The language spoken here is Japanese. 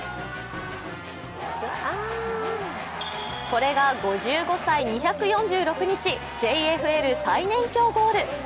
これが５５歳２４６日ＪＦＬ最年長ゴール。